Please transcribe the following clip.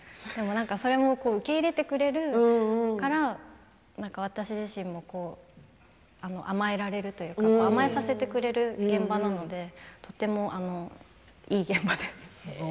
それも受け入れてくれるから私自身も甘えられるというか甘えさせてくれる現場なんでとてもいい現場です。